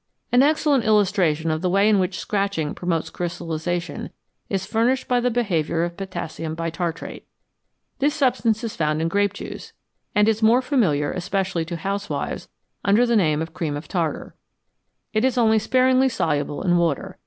An excellent illustration of the way in which scratching promotes crystallisation is furnished by the behaviour of potassium bitartrate. This substance is found in grape juice, and is more familiar, especially to housewives, under the name of " cream of tartar "; it is only sparingly soluble in water.